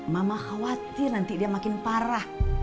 mama khawatir nanti dia makin parah